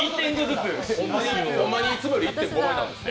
ホンマにいつもより１．５倍なんやって。